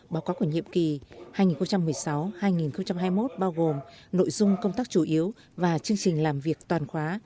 báo cáo của nhiệm kỳ hai nghìn một mươi sáu hai nghìn hai mươi một bao gồm nội dung công tác chủ yếu và chương trình làm việc toàn khóa